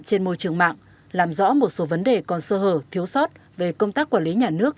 trên môi trường mạng làm rõ một số vấn đề còn sơ hở thiếu sót về công tác quản lý nhà nước